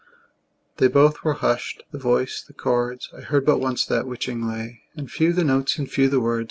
They both were husht, the voice, the chords, I heard but once that witching lay; And few the notes, and few the words.